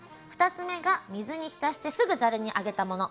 ２つ目が水に浸してすぐざるにあげたもの。